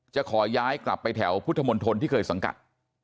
จะขอย้ายกลับไปแถวพุทธมนตรที่เคยสังกัด